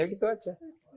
ya gitu aja